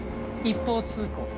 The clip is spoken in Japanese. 一方通行。